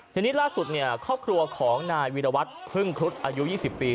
ทีนี้ล่าสุดเนี่ยครอบครัวของนายวีรวัตรพึ่งครุฑอายุ๒๐ปี